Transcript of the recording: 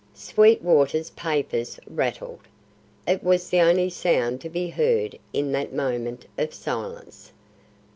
Sweetwater's papers rattled; it was the only sound to be heard in that moment of silence.